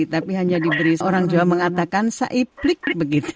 tapi hanya diberi orang jawa mengatakan saiplik begitu